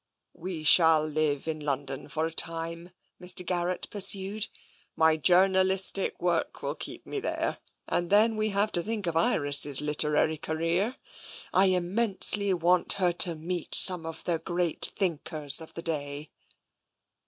" We shall live in London for a time," Mr. Garrett pursued. " My journalistic work will keep me there, and then we have to think of Iris' literary career. I immensely want her to meet some of the great thinkers of the day."